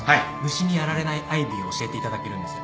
虫にやられないアイビーを教えていただけるんですよ。